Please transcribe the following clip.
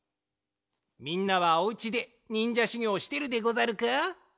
みんなはお家でにんじゃしゅぎょうしてるでござるか？